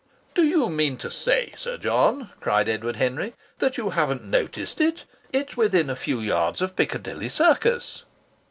"Do you mean to say, Sir John," cried Edward Henry, "that you haven't noticed it? It's within a few yards of Piccadilly Circus."